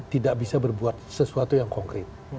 tidak bisa berbuat sesuatu yang konkret